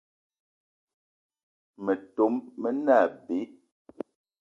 Metom me ne abe.